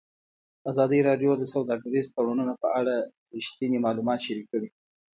ازادي راډیو د سوداګریز تړونونه په اړه رښتیني معلومات شریک کړي.